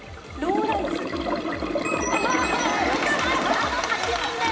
あと８問です。